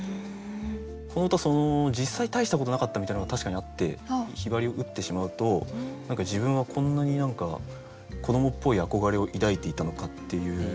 この歌実際大したことなかったみたいなのが確かにあって雲雀を打ってしまうと何か自分はこんなに子どもっぽい憧れを抱いていたのかっていう。